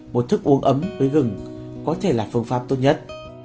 một thức uống ấm với gừng có thể là phương pháp tốt nhất